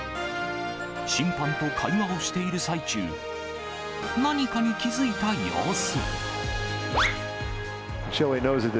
審判と会話をしている最中、何かに気付いた様子。